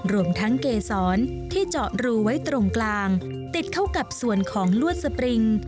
รวมทั้งเกษรที่เจาะรูไว้ตรงกลางติดเข้ากับส่วนของลวดสปริง